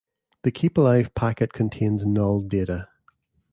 The keepalive packet contains null data.